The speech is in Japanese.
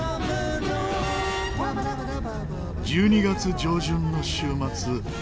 １２月上旬の週末。